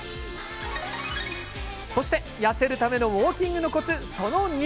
痩せるためのウォーキングのコツ、その２。